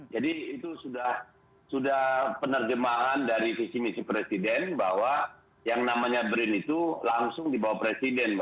jadi itu sudah penerjemahan dari visi visi presiden bahwa yang namanya brin itu langsung dibawa presiden